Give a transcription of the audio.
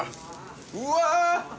うわ！